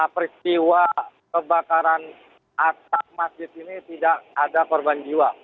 peristiwa kebakaran atap masjid ini tidak ada korban jiwa